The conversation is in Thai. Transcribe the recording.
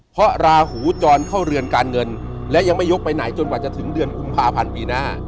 เพราะราหูจรเข้าเรือนการเงินและยังไม่ยกไปไหนจนกว่าจะถึงเดือนกุมภาพันธ์ปีหน้า